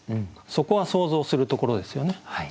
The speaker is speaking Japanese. そこは想像するところですよね。